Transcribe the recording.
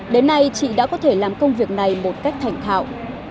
đến nay chị đã có thể làm công việc này một cách thành thạo